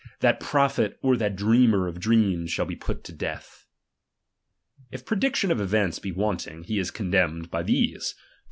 that prophet, or that dreamer of dreams shall he put to death. If prediction of events be ^ RELIGION. 237 "^wanting, he is condemned by these, (Deut.